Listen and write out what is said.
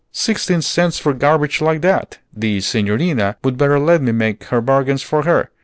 "Sixteen cents for garbage like that! The Signorina would better let me make her bargains for her.